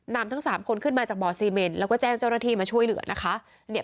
ทั้ง๓คนขึ้นมาจากบ่อซีเมนแล้วก็แจ้งเจ้าหน้าที่มาช่วยเหลือนะคะ